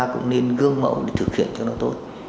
cũng nên gương mẫu để thực hiện cho nó tốt